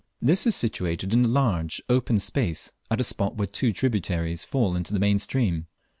This is situated in a large open space, at a spot where two tributaries fall into the main stream.